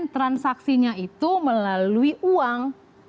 transaksinya itu melalui uang